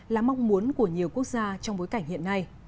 là mong muốn của nhiều quốc gia trong bối cảnh hiện nay